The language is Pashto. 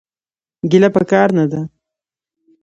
ګيله پکار نه ده.